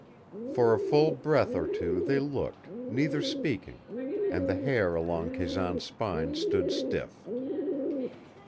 For a full breath or two they looked, neither speaking, and the hair along Kazan's spine stood stiff.